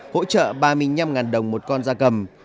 hỗ trợ ba mươi năm đồng một con da cầm